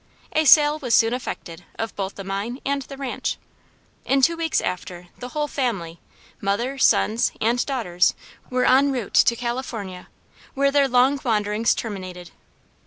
A sale was soon effected of both the mine and the ranche. In two weeks after the whole family, mother, sons, and daughters were en route to California, where their long wanderings terminated.